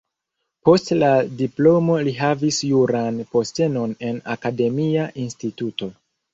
Post la diplomo li havis juran postenon en akademia instituto.